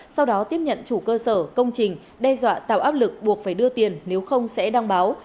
sau đó tiếp nhận chủ cơ sở công trình đe dọa tạo áp lực buộc phải đưa tiền nếu không sẽ đăng báo